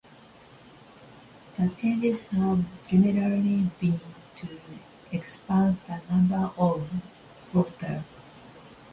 The changes have generally been to expand the number of voters.